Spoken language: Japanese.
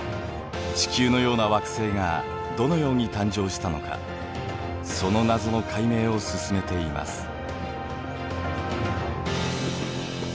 地球のような惑星がどのように誕生したのかその謎の解明を進めています。